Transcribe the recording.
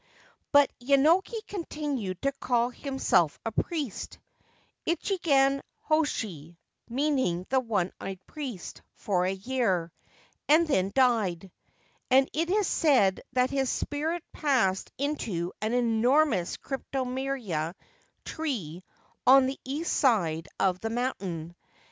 But Yenoki continued to call himself a priest —' Ichigan Hoshi,' meaning the one eyed priest — for a year, and then died ; and it is said that his spirit passed into an enormous cryptomeria tree on the east side of the mountain.